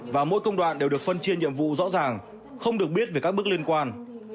và mỗi công đoạn đều được phân chia nhiệm vụ rõ ràng không được biết về các bước liên quan